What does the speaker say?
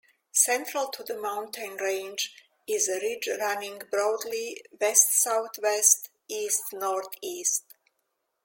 Central to the mountain range is a ridge running broadly west-south-west - east-north-east.